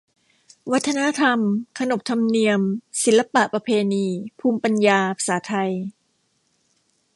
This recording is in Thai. วัฒนธรรม ขนบธรรมเนียม ศิลปะ ประเพณี ภูมิปัญญา ภาษาไทย